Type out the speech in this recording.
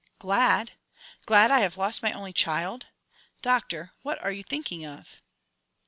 "Glad? Glad I have lost my only child? Doctor, what are you thinking of!"